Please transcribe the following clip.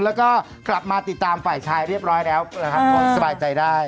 แล้วก็กลับมาติดตามฝ่ายชายเรียบร้อยแล้วนะครับสบายใจได้